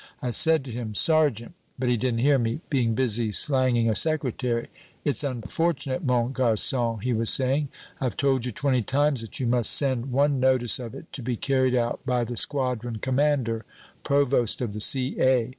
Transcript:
I said to him, 'Sergeant!' But he didn't hear me, being busy slanging a secretary it's unfortunate, mon garcon,' he was saying; 'I've told you twenty times that you must send one notice of it to be carried out by the Squadron Commander, Provost of the C.A.